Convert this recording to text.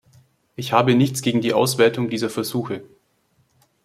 Ich habe nichts gegen die Auswertung dieser Versuche.